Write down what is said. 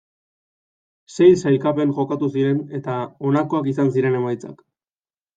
Sei sailkapen jokatu ziren eta honakoak izan ziren emaitzak